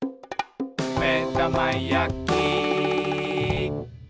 「めだまやき」